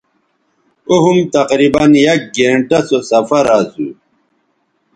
او ھُم تقریباً یک گھنٹہ سو سفراسو